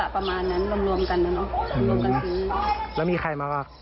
โปรดติดตามต่อไป